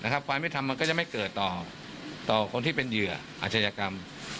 ความไม่ทำมันก็จะไม่เกิดต่อคนที่เป็นเหยื่ออาชญากรรม